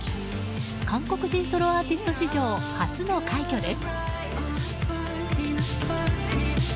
韓国人ソロアーティスト史上初の快挙です。